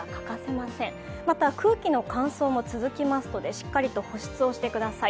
また空気の乾燥も続きますので、しっかりと保湿をしてください。